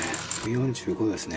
４５℃ですね